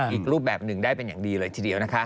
อีกรูปแบบหนึ่งได้เป็นอย่างดีเลยทีเดียวนะคะ